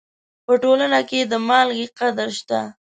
په ټولنه کې د مالګې قدر شته.